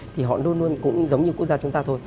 thì họ luôn luôn cũng giống như quốc gia chúng ta thôi